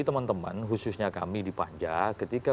teman teman khususnya kami di panja ketika